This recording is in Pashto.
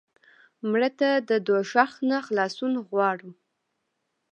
مړه ته د دوزخ نه خلاصون غواړو